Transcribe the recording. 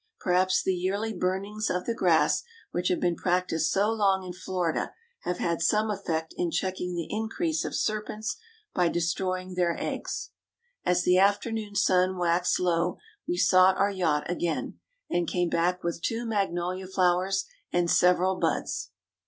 Perhaps the yearly burnings of the grass which have been practised so long in Florida have had some effect in checking the increase of serpents by destroying their eggs. As the afternoon sun waxed low we sought our yacht again, and came back with two magnolia flowers and several buds.